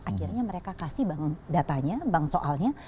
akhirnya mereka kasih datanya bank soalnya